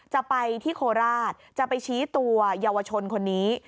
จะไปที่โคราชจะไปชี้ตัวเยาวชนคนนี้